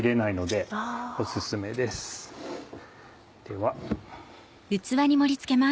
では。